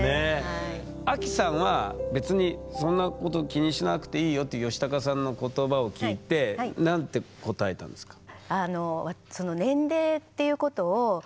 アキさんは別にそんなこと気にしなくていいよっていうヨシタカさんの言葉を聞いて何て答えたんですか？